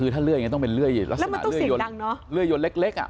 ทั้งลื่อยต้องเป็นลื่อยลักษณะเฉยลื่อยยนต์เล็ก